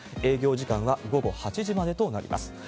営業時間は午後８時までとなります。